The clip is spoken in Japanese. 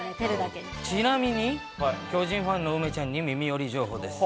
ちなみに、巨人ファンの梅ちゃんに耳より情報です。